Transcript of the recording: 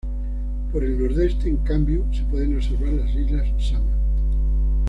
Por el nordeste, en cambio se pueden observar las Islas Summer.